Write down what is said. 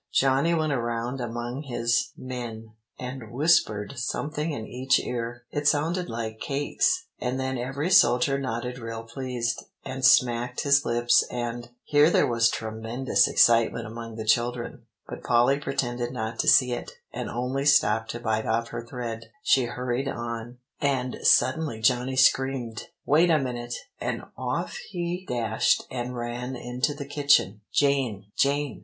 "Johnny went around among his men, and whispered something in each ear. It sounded like 'cakes;' and then every soldier nodded real pleased, and smacked his lips, and" Here there was tremendous excitement among the children, but Polly pretended not to see it; and only stopping to bite off her thread, she hurried on, "And suddenly Johnny screamed, 'Wait a minute,' and off he dashed and ran into the kitchen. 'Jane Jane!